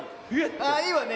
あっいいわね。